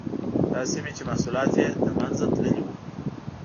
دا سیمې چې محصولات یې له منځه تللي وو.